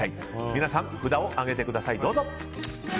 皆さん、札を上げてください。